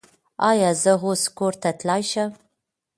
ایا زه اوس کور ته تلی شم؟